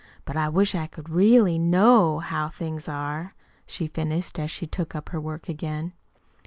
"But I wish I could really KNOW how things are!" she finished, as she took up her work again.